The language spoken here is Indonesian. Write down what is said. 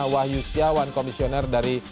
wahyu siawan komisioner dari